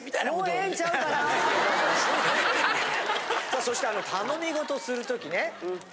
さあそして頼み事する時ね。